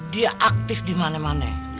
dia aktif di mana mana